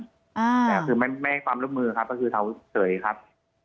แต่คือไม่ให้ความร่วมมือครับก็คือเขาเฉยครับ